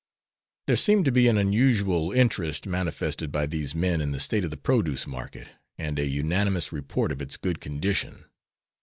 There seemed to be an unusual interest manifested by these men in the state of the produce market, and a unanimous report of its good condition.